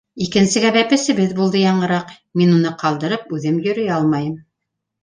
Икенсегә бәпесебеҙ булды яңыраҡ, уны ҡалдырып үҙем йөрөй алмайым.